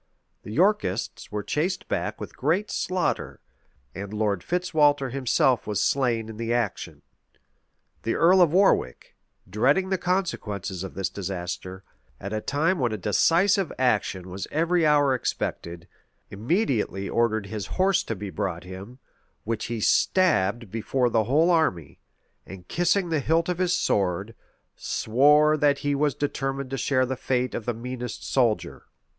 The Yorkists were chased back with great slaughter; and Lord Fitzwalter himself was slain in the action.[*] The earl of Warwick, dreading the consequences of this disaster, at a time when a decisive action was every hour expected, immediately ordered his horse to be brought him, which he stabbed before the whole army; and kissing the hilt of his sword, swore that he was determined to share the fate of the meanest soldier.